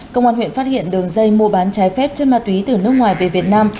công an huyện phát hiện đường dây mua bán trái phép chất ma túy từ nước ngoài về việt nam